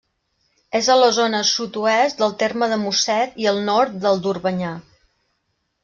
És a la zona sud-oest del terme de Mosset i al nord del d'Orbanyà.